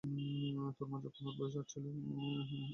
তোর মা, যখন ওর বয়স আট ছিল।